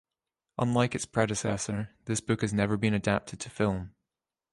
Unlike its predecessor, this book has never been adapted to film.